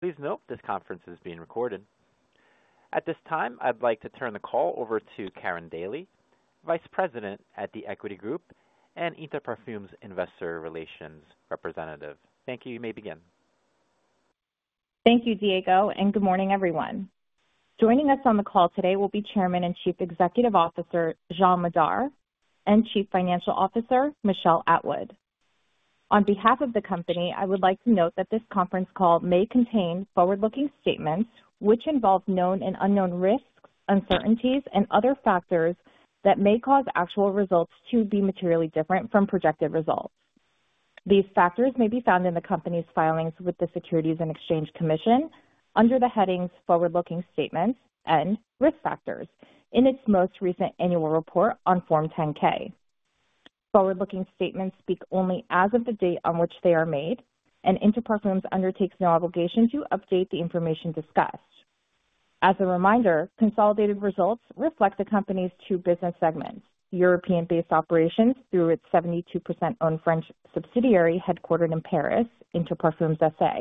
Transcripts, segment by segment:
Please note this conference is being recorded. At this time, I'd like to turn the call over to Karin Daly, Vice President at The Equity Group and Inter Parfums Investor Relations Representatives. Thank you. You may begin. Thank you, Diego, and good morning, everyone. Joining us on the call today will be Chairman and Chief Executive Officer Jean Madar and Chief Financial Officer Michel Atwood. On behalf of the company, I would like to note that this conference call may contain forward-looking statements which involve known and unknown risks, uncertainties, and other factors that may cause actual results to be materially different from projected results. These factors may be found in the company's filings with the Securities and Exchange Commission under the headings Forward-Looking Statements and Risk Factors in its most recent annual report on Form 10-K. Forward-looking statements speak only as of the date on which they are made, and Inter Parfums undertakes no obligation to update the information discussed. As a reminder, consolidated results reflect the company's two business segments: European-based operations through its 72% owned French subsidiary headquartered in Paris, Inter Parfums SA,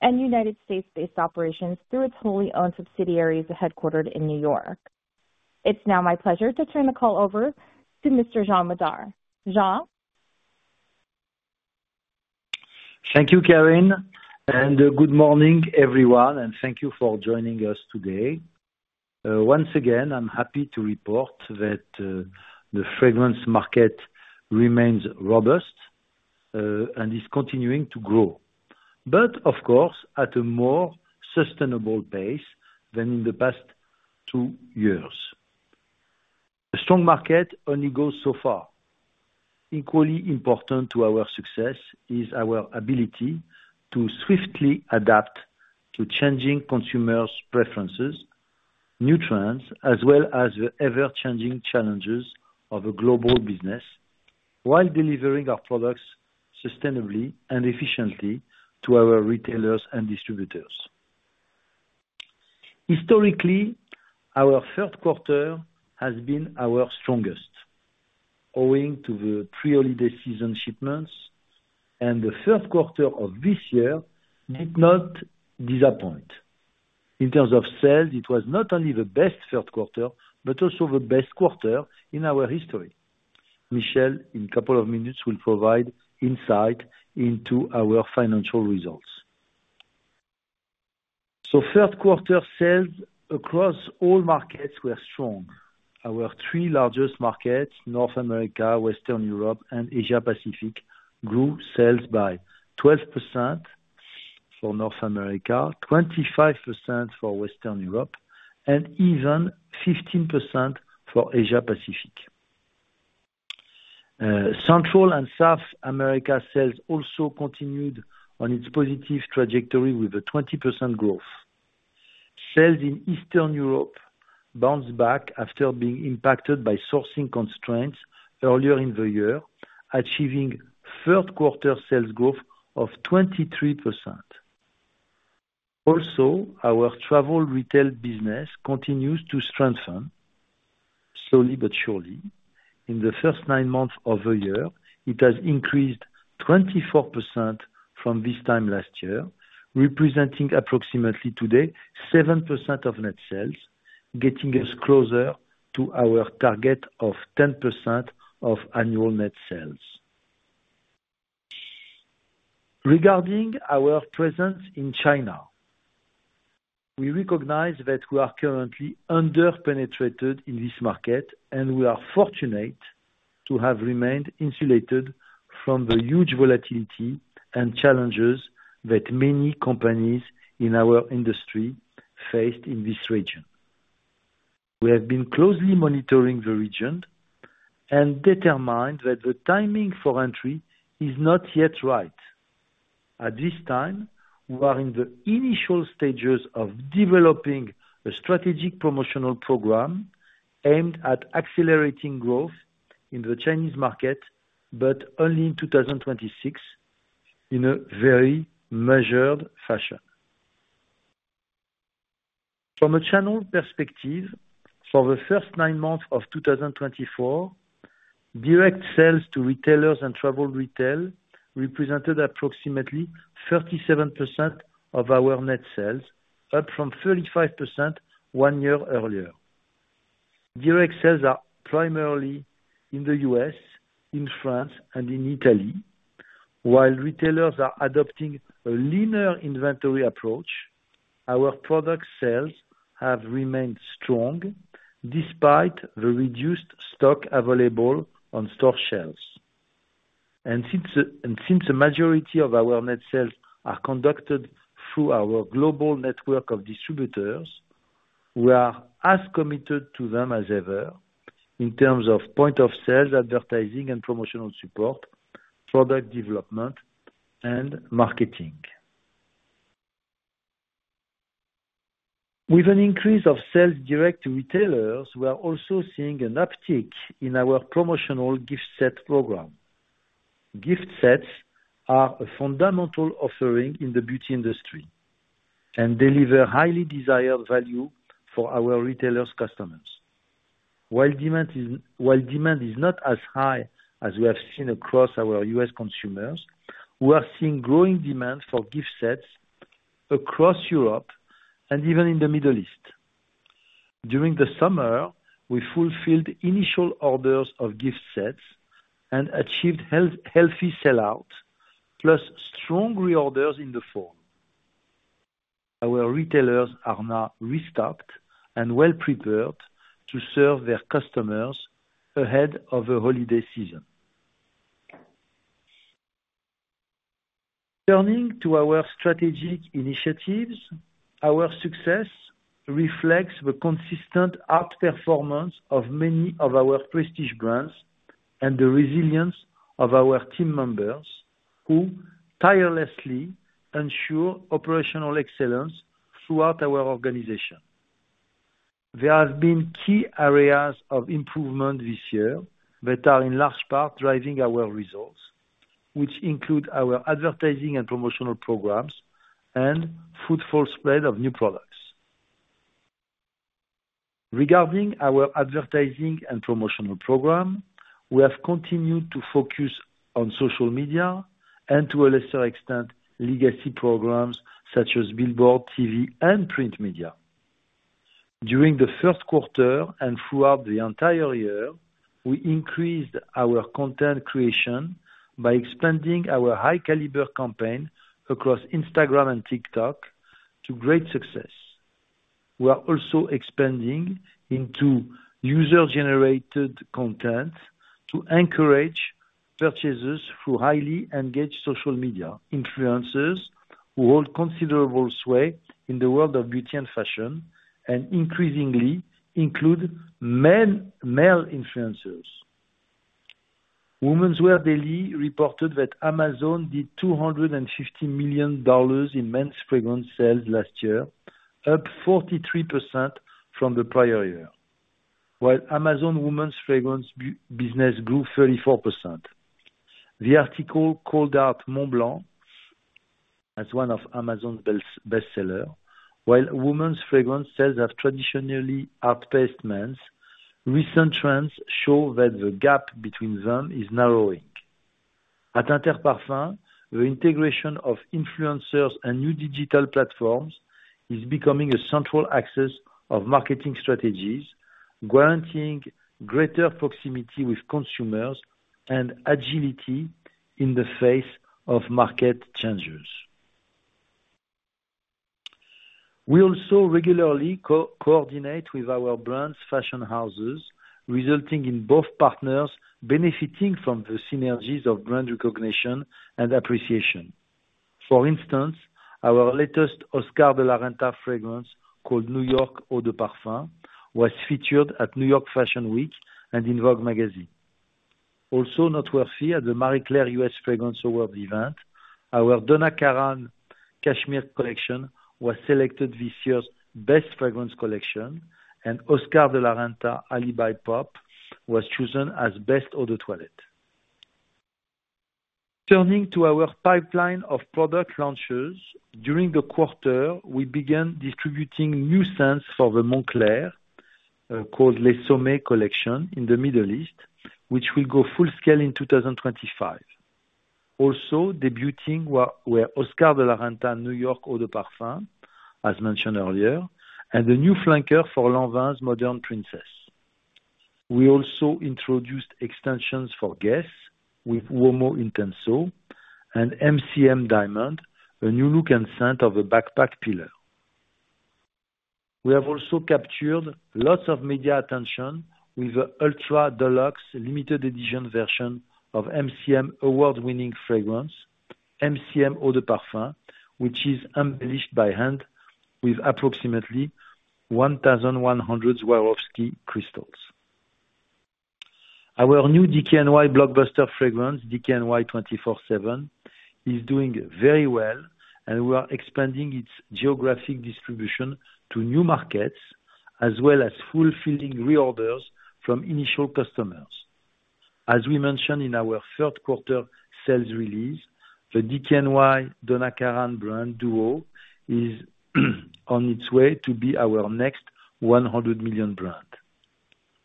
and United States-based operations through its wholly owned subsidiaries headquartered in New York. It's now my pleasure to turn the call over to Mr. Jean Madar. Jean? Thank you, Karin, and good morning, everyone, and thank you for joining us today. Once again, I'm happy to report that the fragrance market remains robust and is continuing to grow, but, of course, at a more sustainable pace than in the past two years. A strong market only goes so far. Equally important to our success is our ability to swiftly adapt to changing consumers' preferences, new trends, as well as the ever-changing challenges of a global business while delivering our products sustainably and efficiently to our retailers and distributors. Historically, our third quarter has been our strongest, owing to the pre-holiday season shipments, and the third quarter of this year did not disappoint. In terms of sales, it was not only the best third quarter but also the best quarter in our history. Michel, in a couple of minutes, will provide insight into our financial results. Third quarter sales across all markets were strong. Our three largest markets, North America, Western Europe, and Asia-Pacific, grew sales by 12% for North America, 25% for Western Europe, and even 15% for Asia-Pacific. Central and South America sales also continued on its positive trajectory with a 20% growth. Sales in Eastern Europe bounced back after being impacted by sourcing constraints earlier in the year, achieving third quarter sales growth of 23%. Also, our travel retail business continues to strengthen slowly but surely. In the first nine months of the year, it has increased 24% from this time last year, representing approximately today 7% of net sales, getting us closer to our target of 10% of annual net sales. Regarding our presence in China, we recognize that we are currently under-penetrated in this market, and we are fortunate to have remained insulated from the huge volatility and challenges that many companies in our industry faced in this region. We have been closely monitoring the region and determined that the timing for entry is not yet right. At this time, we are in the initial stages of developing a strategic promotional program aimed at accelerating growth in the Chinese market, but only in 2026 in a very measured fashion. From a channel perspective, for the first nine months of 2024, direct sales to retailers and travel retail represented approximately 37% of our net sales, up from 35% one year earlier. Direct sales are primarily in the U.S., in France, and in Italy. While retailers are adopting a leaner inventory approach, our product sales have remained strong despite the reduced stock available on store shelves. And since the majority of our net sales are conducted through our global network of distributors, we are as committed to them as ever in terms of point of sales, advertising, and promotional support, product development, and marketing. With an increase of sales direct to retailers, we are also seeing an uptick in our promotional gift set program. Gift sets are a fundamental offering in the beauty industry and deliver highly desired value for our retailers' customers. While demand is not as high as we have seen across our U.S. consumers, we are seeing growing demand for gift sets across Europe and even in the Middle East. During the summer, we fulfilled initial orders of gift sets and achieved healthy sell-out plus strong reorders in the fall. Our retailers are now restocked and well-prepared to serve their customers ahead of the holiday season. Turning to our strategic initiatives, our success reflects the consistent outperformance of many of our prestige brands and the resilience of our team members who tirelessly ensure operational excellence throughout our organization. There have been key areas of improvement this year that are in large part driving our results, which include our advertising and promotional programs and fruitful spread of new products. Regarding our advertising and promotional program, we have continued to focus on social media and, to a lesser extent, legacy programs such as billboard, TV, and print media. During the first quarter and throughout the entire year, we increased our content creation by expanding our high-caliber campaign across Instagram and TikTok to great success. We are also expanding into user-generated content to encourage purchases through highly engaged social media influencers who hold considerable sway in the world of beauty and fashion and increasingly include male influencers. Women's Wear Daily reported that Amazon did $250 million in men's fragrance sales last year, up 43% from the prior year, while Amazon Women's Fragrance business grew 34%. The article called out Montblanc as one of Amazon's bestsellers, while women's fragrance sales have traditionally outpaced men's. Recent trends show that the gap between them is narrowing. At Inter Parfums, the integration of influencers and new digital platforms is becoming a central axis of marketing strategies, guaranteeing greater proximity with consumers and agility in the face of market changes. We also regularly coordinate with our brand's fashion houses, resulting in both partners benefiting from the synergies of brand recognition and appreciation. For instance, our latest Oscar de la Renta fragrance called New York Eau de Parfum was featured at New York Fashion Week and in Vogue magazine. Also noteworthy, at the Marie Claire US Fragrance Awards event, our Donna Karan Cashmere Collection was selected this year's Best Fragrance Collection, and Oscar de la Renta Alibi Pop was chosen as Best Eau de Toilette. Turning to our pipeline of product launches, during the quarter, we began distributing new scents for the Moncler called Les Sommets Collection in the Middle East, which will go full scale in 2025. Also debuting were Oscar de la Renta New York Eau de Parfum, as mentioned earlier, and the new flanker for Lanvin's Modern Princess. We also introduced extensions for Guess with Uomo Intenso and MCM Diamond, a new look and scent of a backpack bottle. We have also captured lots of media attention with the Ultra Deluxe Limited Edition version of MCM award-winning fragrance, MCM Eau de Parfum, which is embellished by hand with approximately 1,100 Swarovski crystals. Our new DKNY blockbuster fragrance, DKNY 24/7, is doing very well, and we are expanding its geographic distribution to new markets as well as fulfilling reorders from initial customers. As we mentioned in our third quarter sales release, the DKNY Donna Karan brand duo is on its way to be our next 100 million brand.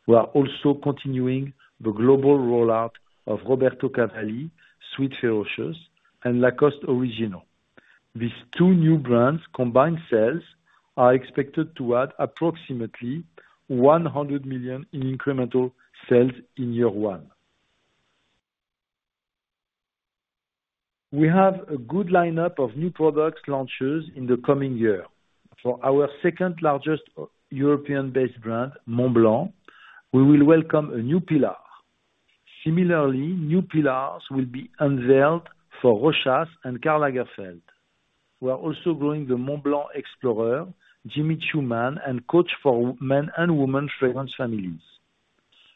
We are also continuing the global rollout of Roberto Cavalli Sweet Ferocious and Lacoste Original. These two new brands' combined sales are expected to add approximately 100 million in incremental sales in year one. We have a good lineup of new product launches in the coming year. For our second-largest European-based brand, Montblanc, we will welcome a new pillar. Similarly, new pillars will be unveiled for Rochas and Karl Lagerfeld. We are also growing the Montblanc Explorer, Jimmy Choo Man, and Coach Men's and Women's Fragrance Families.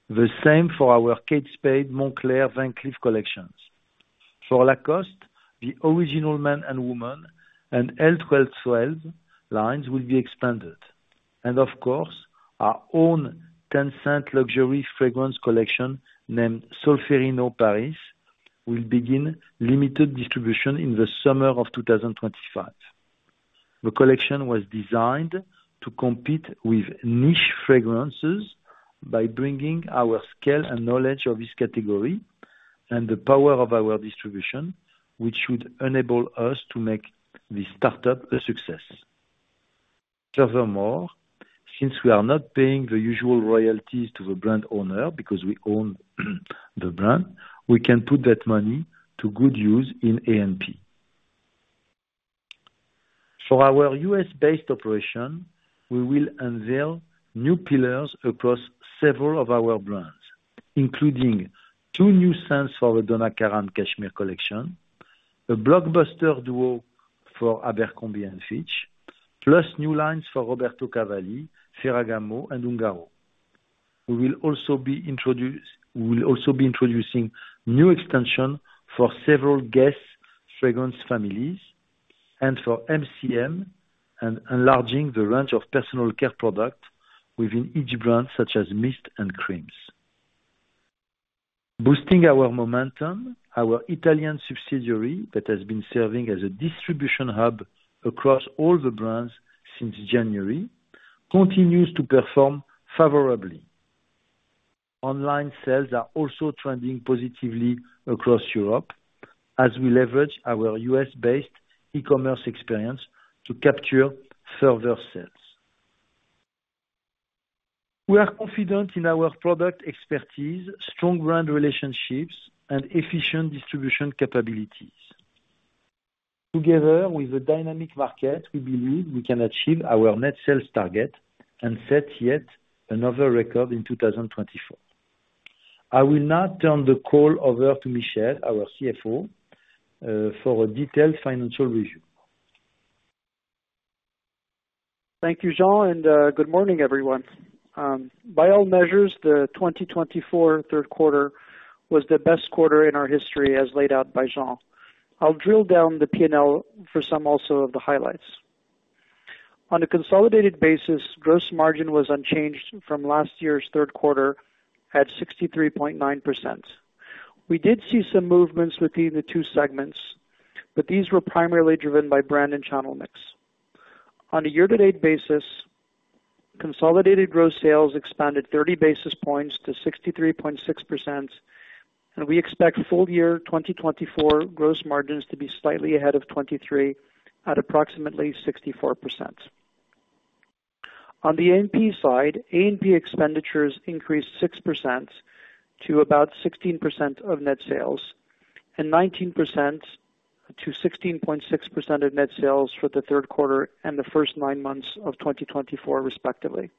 The same for our Kate Spade, Moncler, Van Cleef collections. For Lacoste, the Original Men and Women and L.12.12 lines will be expanded. And of course, our own 10-scent Luxury Fragrance collection named Solférino Paris will begin limited distribution in the summer of 2025. The collection was designed to compete with niche fragrances by bringing our skill and knowledge of this category and the power of our distribution, which should enable us to make this startup a success. Furthermore, since we are not paying the usual royalties to the brand owner because we own the brand, we can put that money to good use in A&P. For our U.S.-based operation, we will unveil new pillars across several of our brands, including two new scents for the Donna Karan Cashmere Collection, a blockbuster duo for Abercrombie & Fitch, plus new lines for Roberto Cavalli, Ferragamo, and Ungaro. We will also be introducing new extensions for several Guess fragrance families and for MCM, enlarging the range of personal care products within each brand such as mist and creams. Boosting our momentum, our Italian subsidiary that has been serving as a distribution hub across all the brands since January continues to perform favorably. Online sales are also trending positively across Europe as we leverage our U.S.-based e-commerce experience to capture further sales. We are confident in our product expertise, strong brand relationships, and efficient distribution capabilities. Together with a dynamic market, we believe we can achieve our net sales target and set yet another record in 2024. I will now turn the call over to Michel, our CFO, for a detailed financial review. Thank you, Jean, and good morning, everyone. By all measures, the 2024 third quarter was the best quarter in our history, as laid out by Jean. I'll drill down the P&L for some also of the highlights. On a consolidated basis, gross margin was unchanged from last year's third quarter at 63.9%. We did see some movements within the two segments, but these were primarily driven by brand and channel mix. On a year-to-date basis, consolidated gross sales expanded 30 basis points to 63.6%, and we expect full year 2024 gross margins to be slightly ahead of 2023 at approximately 64%. On the A&P side, A&P expenditures increased 6% to about 16% of net sales and 19% to 16.6% of net sales for the third quarter and the first nine months of 2024, respectively.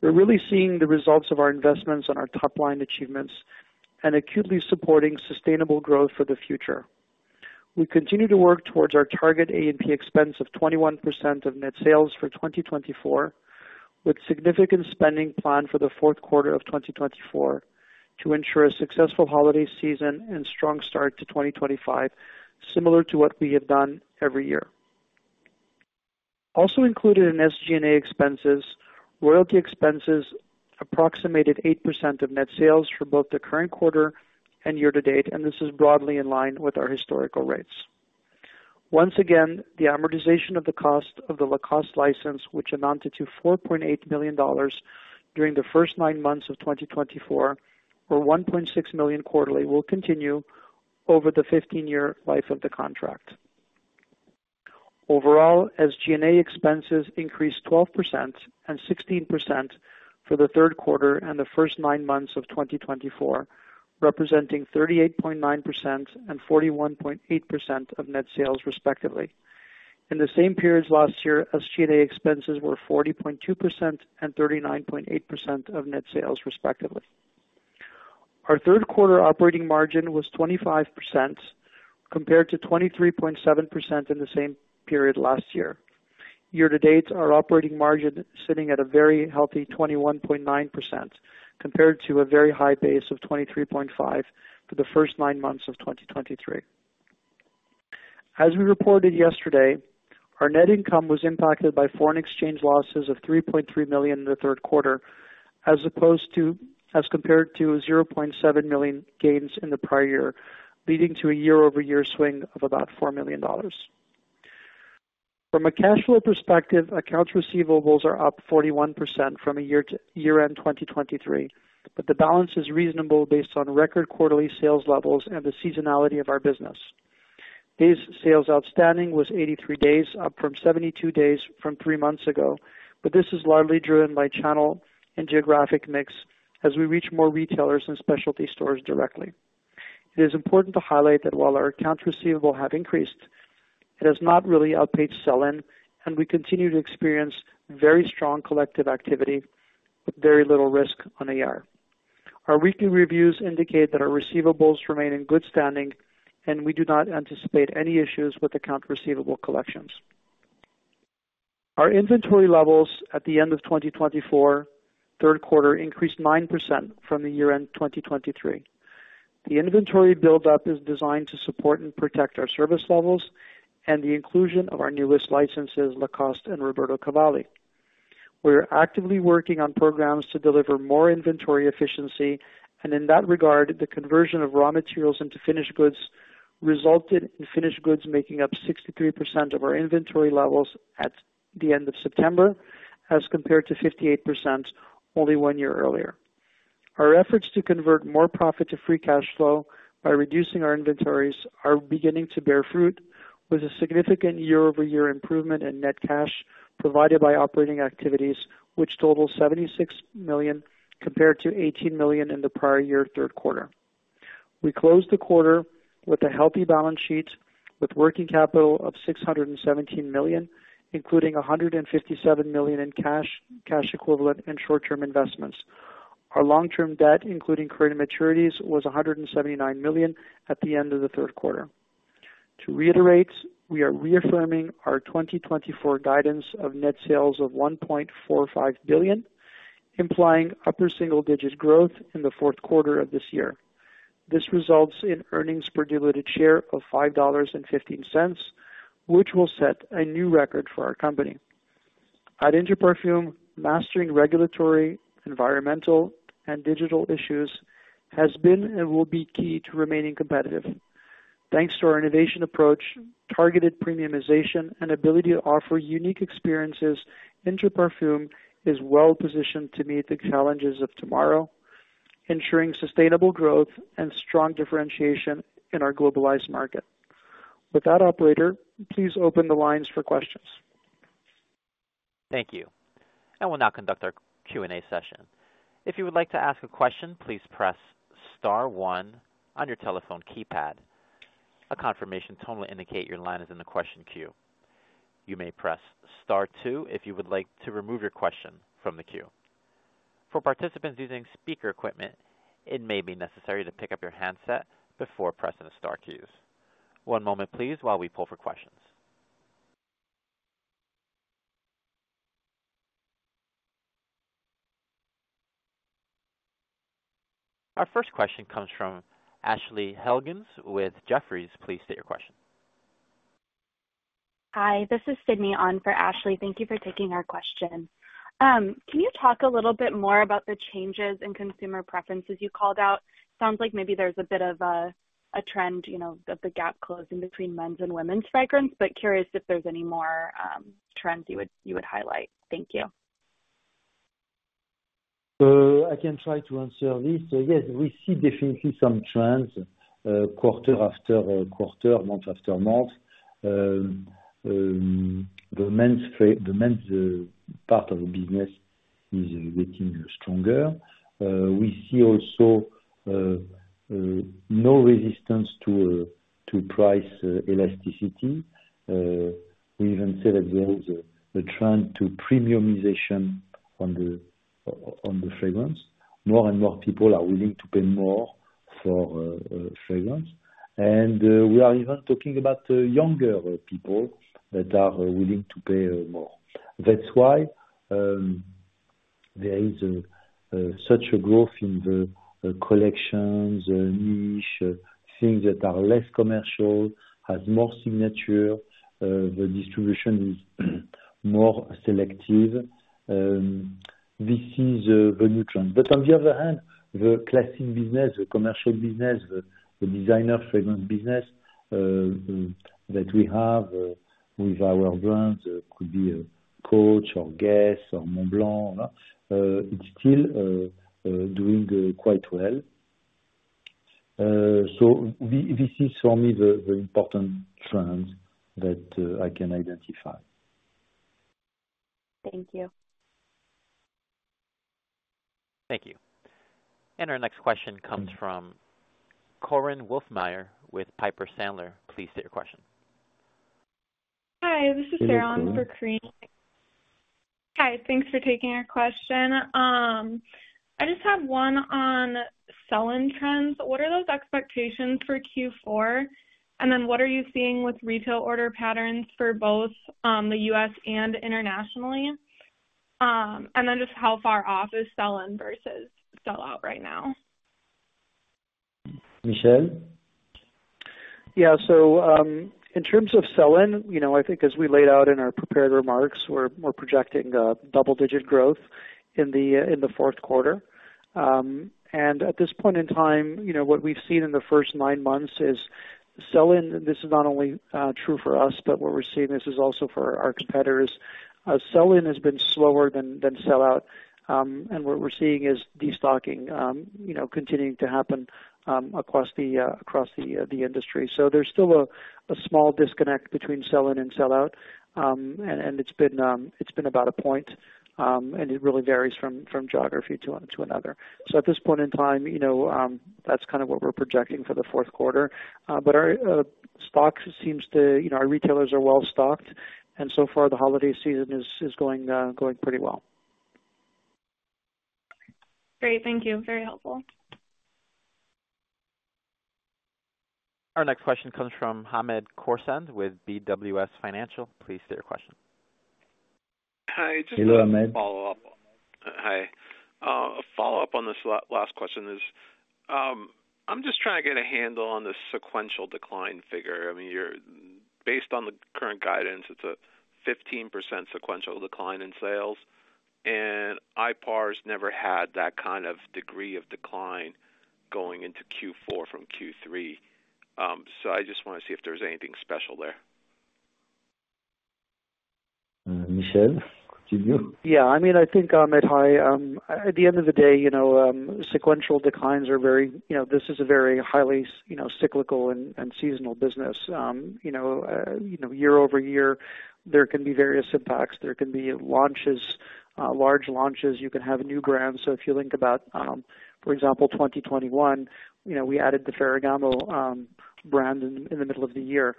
We're really seeing the results of our investments and our top-line achievements and actively supporting sustainable growth for the future. We continue to work towards our target A&P expense of 21% of net sales for 2024, with significant spending planned for the fourth quarter of 2024 to ensure a successful holiday season and strong start to 2025, similar to what we have done every year. Also included in SG&A expenses, royalty expenses approximated 8% of net sales for both the current quarter and year-to-date, and this is broadly in line with our historical rates. Once again, the amortization of the cost of the Lacoste license, which amounted to $4.8 million during the first nine months of 2024, or $1.6 million quarterly, will continue over the 15-year life of the contract. Overall, SG&A expenses increased 12% and 16% for the third quarter and the first nine months of 2024, representing 38.9% and 41.8% of net sales, respectively. In the same periods last year, SG&A expenses were 40.2% and 39.8% of net sales, respectively. Our third quarter operating margin was 25% compared to 23.7% in the same period last year. Year-to-date, our operating margin is sitting at a very healthy 21.9% compared to a very high base of 23.5% for the first nine months of 2023. As we reported yesterday, our net income was impacted by foreign exchange losses of $3.3 million in the third quarter, as compared to $0.7 million gains in the prior year, leading to a year-over-year swing of about $4 million. From a cash flow perspective, accounts receivables are up 41% from year-end 2023, but the balance is reasonable based on record quarterly sales levels and the seasonality of our business. Days sales outstanding was 83 days, up from 72 days from three months ago, but this is largely driven by channel and geographic mix as we reach more retailers and specialty stores directly. It is important to highlight that while our accounts receivable have increased, it has not really outpaced sell-in, and we continue to experience very strong collective activity with very little risk on AR. Our weekly reviews indicate that our receivables remain in good standing, and we do not anticipate any issues with accounts receivable collections. Our inventory levels at the end of 2024 third quarter increased 9% from the year-end 2023. The inventory build-up is designed to support and protect our service levels and the inclusion of our newest licenses, Lacoste and Roberto Cavalli. We are actively working on programs to deliver more inventory efficiency, and in that regard, the conversion of raw materials into finished goods resulted in finished goods making up 63% of our inventory levels at the end of September as compared to 58% only one year earlier. Our efforts to convert more profit to free cash flow by reducing our inventories are beginning to bear fruit with a significant year-over-year improvement in net cash provided by operating activities, which total $76 million compared to $18 million in the prior year third quarter. We closed the quarter with a healthy balance sheet with working capital of $617 million, including $157 million in cash equivalent and short-term investments. Our long-term debt, including current maturities, was $179 million at the end of the third quarter. To reiterate, we are reaffirming our 2024 guidance of net sales of $1.45 billion, implying upper single-digit growth in the fourth quarter of this year. This results in earnings per diluted share of $5.15, which will set a new record for our company. At Inter Parfums, mastering regulatory, environmental, and digital issues has been and will be key to remaining competitive. Thanks to our innovation approach, targeted premiumization, and ability to offer unique experiences, Inter Parfums is well-positioned to meet the challenges of tomorrow, ensuring sustainable growth and strong differentiation in our globalized market. With that, operator, please open the lines for questions. Thank you. And we'll now conduct our Q&A session. If you would like to ask a question, please press star one on your telephone keypad. A confirmation tonal indicator line is in the question queue. You may press star two if you would like to remove your question from the queue. For participants using speaker equipment, it may be necessary to pick up your handset before pressing the star twos. One moment, please, while we poll for questions. Our first question comes from Ashley Helgans with Jefferies. Please state your question. Hi, this is Sydney on for Ashley. Thank you for taking our question. Can you talk a little bit more about the changes in consumer preferences you called out? Sounds like maybe there's a bit of a trend of the gap closing between men's and women's fragrance, but curious if there's any more trends you would highlight. Thank you. I can try to answer this. Yes, we see definitely some trends quarter-after-quarter, month-after-month. The men's part of the business is getting stronger. We see also no resistance to price elasticity. We even said that there is a trend to premiumization on the fragrance. More and more people are willing to pay more for fragrance. And we are even talking about younger people that are willing to pay more. That's why there is such a growth in the collections, niche, things that are less commercial, has more signature. The distribution is more selective. This is the new trend. But on the other hand, the classic business, the commercial business, the designer fragrance business that we have with our brands, could be Coach or Guess or Montblanc, it's still doing quite well. So this is, for me, the important trend that I can identify. Thank you. Thank you. And our next question comes from Korinne Wolfmeyer with Piper Sandler. Please state your question. Hi, this is Sarah on for Korinne. Hi, thanks for taking our question. I just have one on sell-in trends. What are those expectations for Q4? And then what are you seeing with retail order patterns for both the U.S. and internationally? And then just how far off is sell-in versus sell-out right now? Michel? Yeah. So in terms of sell-in, I think as we laid out in our prepared remarks, we're projecting double-digit growth in the fourth quarter. And at this point in time, what we've seen in the first nine months is sell-in, this is not only true for us, but what we're seeing this is also for our competitors. Sell-in has been slower than sell-out. And what we're seeing is destocking continuing to happen across the industry. So there's still a small disconnect between sell-in and sell-out. And it's been about a point. And it really varies from geography to another. So at this point in time, that's kind of what we're projecting for the fourth quarter. But our stock seems to our retailers are well stocked. And so far, the holiday season is going pretty well. Great. Thank you. Very helpful. Our next question comes from Hamed Khorsand with BWS Financial. Please state your question. Hi. Just a follow-up. Hi. A follow-up on this last question is I'm just trying to get a handle on the sequential decline figure. I mean, based on the current guidance, it's a 15% sequential decline in sales. And IPAR has never had that kind of degree of decline going into Q4 from Q3. So I just want to see if there's anything special there. Michel? Continue. Yeah. I mean, I think, Hamed, at the end of the day, sequential declines are very. This is a very highly cyclical and seasonal business. Year-over-year, there can be various impacts. There can be launches, large launches. You can have new brands. So if you think about, for example, 2021, we added the Ferragamo brand in the middle of the year.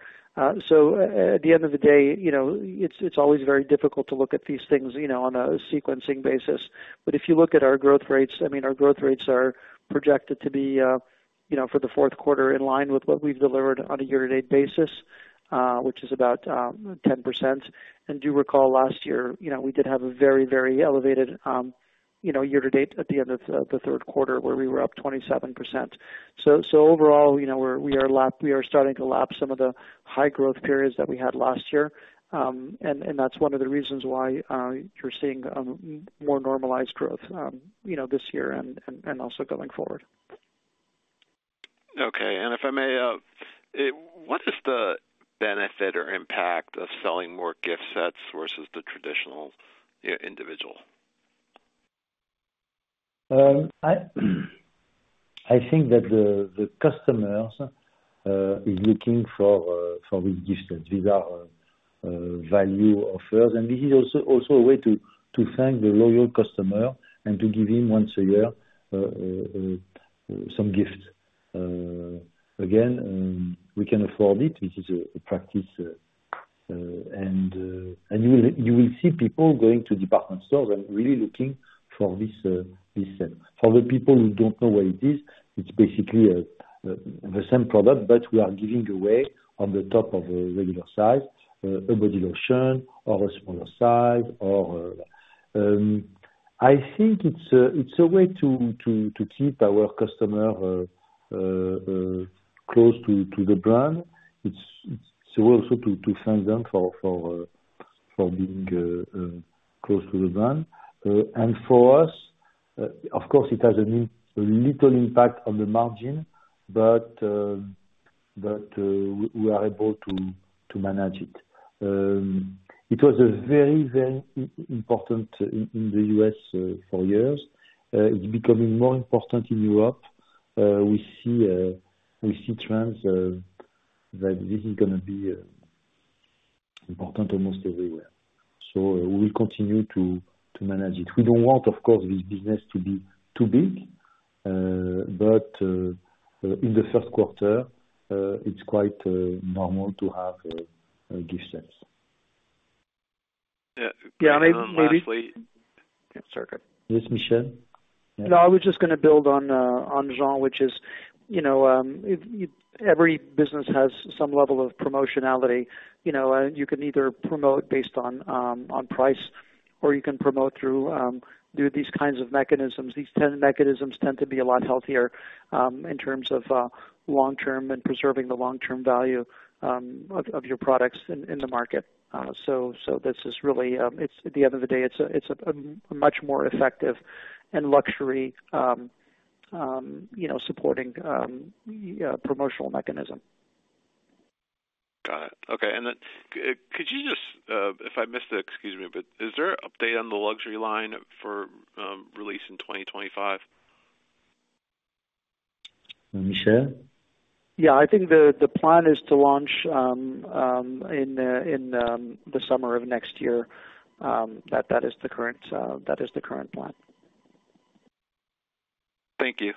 So at the end of the day, it's always very difficult to look at these things on a sequencing basis. But if you look at our growth rates, I mean, our growth rates are projected to be for the fourth quarter in line with what we've delivered on a year-to-date basis, which is about 10%. And do recall last year, we did have a very, very elevated year-to-date at the end of the third quarter where we were up 27%. So overall, we are starting to lap some of the high growth periods that we had last year. And that's one of the reasons why you're seeing more normalized growth this year and also going forward. Okay. And if I may, what is the benefit or impact of selling more gift sets versus the traditional individual? I think that the vare looking for these gifts; these are value offers. And this is also a way to thank the loyal customer and to give him once a year some gifts. Again, we can afford it. This is a practice. And you will see people going to department stores and really looking for this set. For the people who don't know what it is, it's basically the same product, but we are giving away on the top of a regular size, a body lotion, or a smaller size. I think it's a way to keep our customer close to the brand. It's a way also to thank them for being close to the brand. And for us, of course, it has a little impact on the margin, but we are able to manage it. It was very, very important in the U.S. for years. It's becoming more important in Europe. We see trends that this is going to be important almost everywhere. So we will continue to manage it. We don't want, of course, this business to be too big. But in the first quarter, it's quite normal to have gift sets. Yeah. Maybe. Sorry. Go ahead. Yes, Michel? No, I was just going to build on Jean, which is every business has some level of promotionality. You can either promote based on price, or you can promote through these kinds of mechanisms. These mechanisms tend to be a lot healthier in terms of long-term and preserving the long-term value of your products in the market. So this is really, at the end of the day, it's a much more effective and luxury supporting promotional mechanism. Got it. Okay. And then could you just, if I missed it, excuse me, but is there an update on the luxury line for release in 2025? Michel? Yeah. I think the plan is to launch in the summer of next year. That is the current plan. Thank you.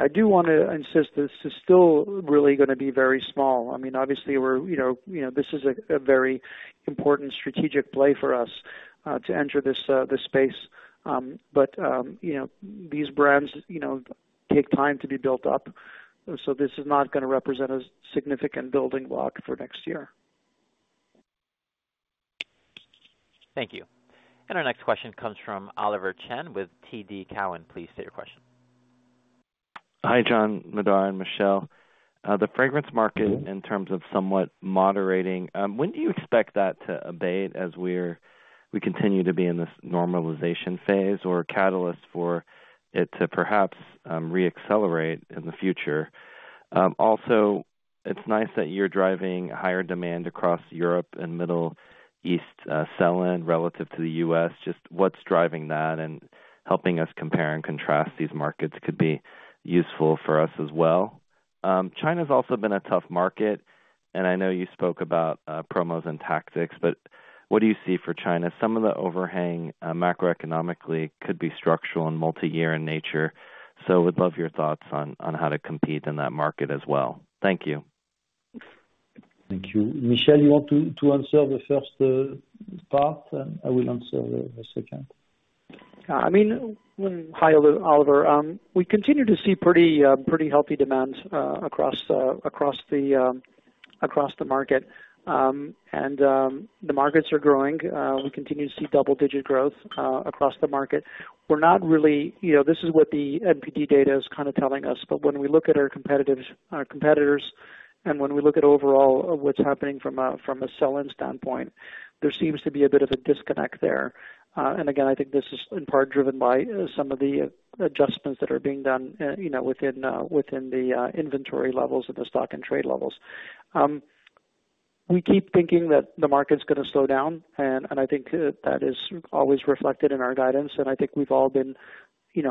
I do want to insist this is still really going to be very small. I mean, obviously, this is a very important strategic play for us to enter this space. But these brands take time to be built up. So this is not going to represent a significant building block for next year. Thank you. And our next question comes from Oliver Chen with TD Cowen. Please state your question. Hi, Jean Madar, and Michel. The fragrance market, in terms of somewhat moderating, when do you expect that to abate as we continue to be in this normalization phase or catalyst for it to perhaps re-accelerate in the future? Also, it's nice that you're driving higher demand across Europe and Middle East sell-in relative to the U.S. Just what's driving that and helping us compare and contrast these markets could be useful for us as well. China has also been a tough market. And I know you spoke about promos and tactics, but what do you see for China? Some of the overhang macroeconomically could be structural and multi-year in nature. So we'd love your thoughts on how to compete in that market as well. Thank you. Thank you. Michel, you want to answer the first part? I will answer the second. I mean, hi, Oliver. We continue to see pretty healthy demand across the market. And the markets are growing. We continue to see double-digit growth across the market. We're not really. This is what the NPD data is kind of telling us. But when we look at our competitors and when we look at overall what's happening from a sell-in standpoint, there seems to be a bit of a disconnect there. And again, I think this is in part driven by some of the adjustments that are being done within the inventory levels and the stock in trade levels. We keep thinking that the market's going to slow down. And I think that is always reflected in our guidance. And I think we've all been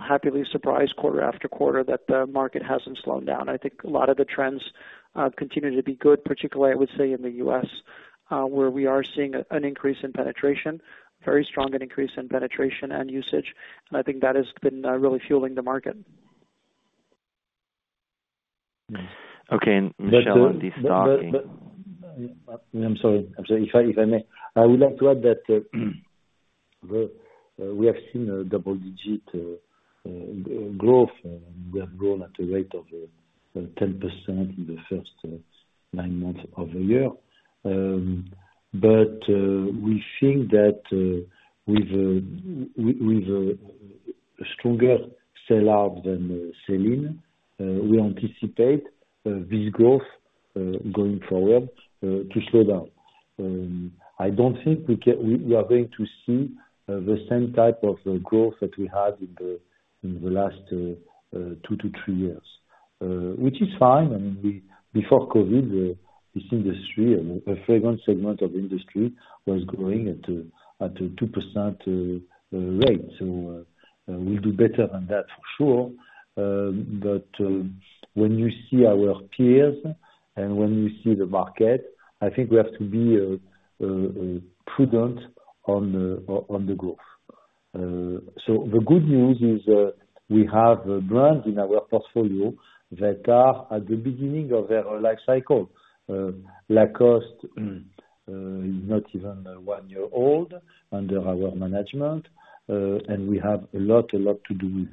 happily surprised quarter-after-quarter that the market hasn't slowed down. I think a lot of the trends continue to be good, particularly, I would say, in the U.S., where we are seeing an increase in penetration, a very strong increase in penetration and usage. And I think that has been really fueling the market. Okay. And Michel on destocking. I'm sorry. If I may, I would like to add that we have seen double-digit growth. We have grown at a rate of 10% in the first nine months of the year. But we think that with a stronger sell-out than sell-in, we anticipate this growth going forward to slow down. I don't think we are going to see the same type of growth that we had in the last two to three years, which is fine. I mean, before COVID, this industry, a fragrance segment of the industry, was growing at a 2% rate. So we'll do better than that for sure. But when you see our peers and when you see the market, I think we have to be prudent on the growth. So the good news is we have brands in our portfolio that are at the beginning of their life cycle. Lacoste is not even one year old under our management. And we have a lot to do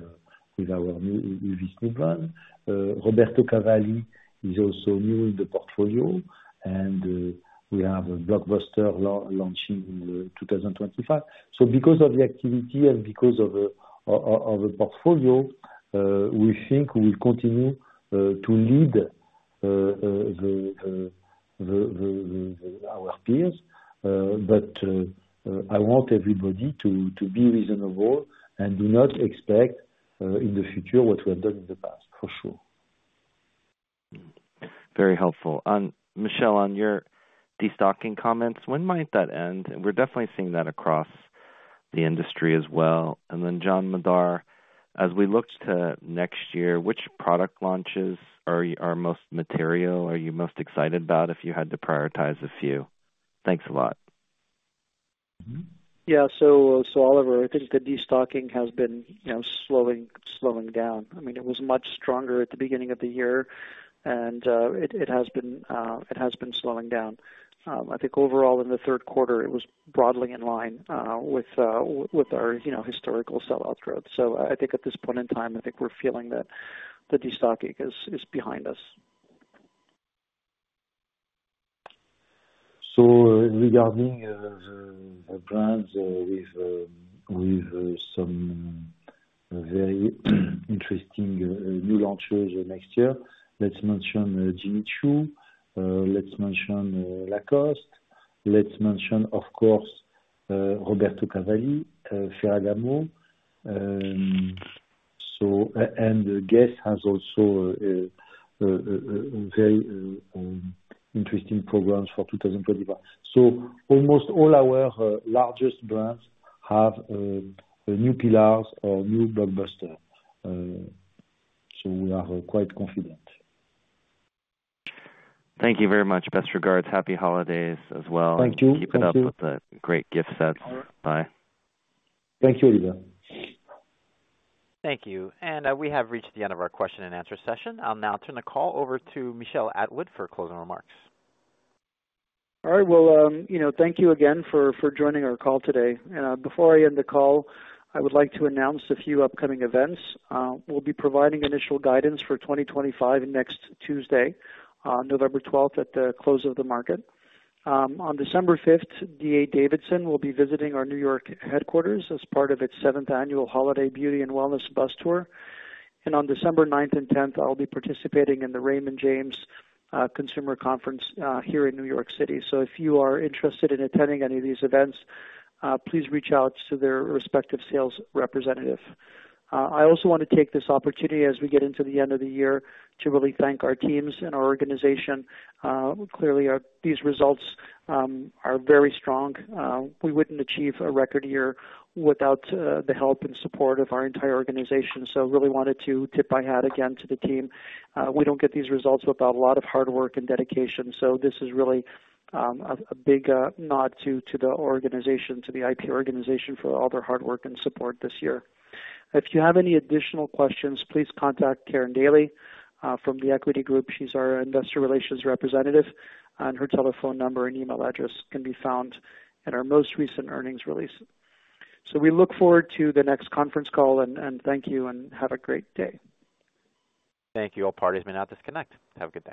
with this movement. Roberto Cavalli is also new in the portfolio. And we have a blockbuster launching in 2025. So because of the activity and because of the portfolio, we think we'll continue to lead our peers. But I want everybody to be reasonable and do not expect in the future what we have done in the past, for sure. Very helpful. And Michel, on your destocking comments, when might that end? We're definitely seeing that across the industry as well. And then Jean Madar, as we look to next year, which product launches are most material? Are you most excited about if you had to prioritize a few? Thanks a lot. Yeah. So Oliver, I think the destocking has been slowing down. I mean, it was much stronger at the beginning of the year. And it has been slowing down. I think overall, in the third quarter, it was broadly in line with our historical sell-out growth. So I think at this point in time, I think we're feeling that the destocking is behind us. So regarding the brands with some very interesting new launches next year, let's mention Jimmy Choo. Let's mention Lacoste. Let's mention, of course, Roberto Cavalli, Ferragamo. And Guess has also very interesting programs for 2025. So almost all our largest brands have new pillars or new blockbusters. So we are quite confident. Thank you very much. Best regards. Happy holidays as well. Thank you. You too. Keep it up with the great gift sets. Bye. Thank you, Oliver. Thank you. And we have reached the end of our question-and-answer session. I'll now turn the call over to Michel Atwood for closing remarks. All right. Well, thank you again for joining our call today. Before I end the call, I would like to announce a few upcoming events. We'll be providing initial guidance for 2025 next Tuesday, November 12th, at the close of the market. On December 5th, D.A. Davidson will be visiting our New York headquarters as part of its seventh annual Holiday Beauty and Wellness Bus Tour. And on December 9th and 10th, I'll be participating in the Raymond James Consumer Conference here in New York City. If you are interested in attending any of these events, please reach out to their respective sales representative. I also want to take this opportunity as we get into the end of the year to really thank our teams and our organization. Clearly, these results are very strong. We wouldn't achieve a record year without the help and support of our entire organization. So I really wanted to tip my hat again to the team. We don't get these results without a lot of hard work and dedication. So this is really a big nod to the organization, to the IP organization for all their hard work and support this year. If you have any additional questions, please contact Karin Daly from The Equity Group. She's our investor relations representative, and her telephone number and email address can be found in our most recent earnings release. So we look forward to the next conference call. And thank you and have a great day. Thank you. All parties may now disconnect. Have a good day.